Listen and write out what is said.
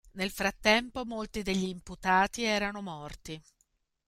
Nel frattempo molti degli imputati erano morti.